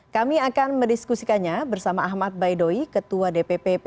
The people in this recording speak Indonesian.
kami akan mendiskusikannya bersama ahmad baidoy ketua dpp p tiga